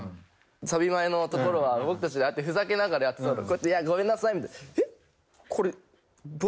サビ前のところは僕たちふざけながらやってたこうやって「ごめんなさい！」。これ。